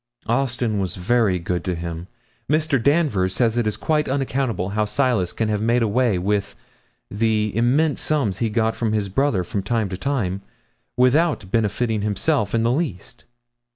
Austin was very good to him. Mr. Danvers says it is quite unaccountable how Silas can have made away with the immense sums he got from his brother from time to time without benefiting himself in the least.